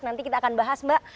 nanti kita akan bahas mbak